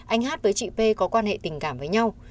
anh hát với chị p có quan hệ tình cảm với nhau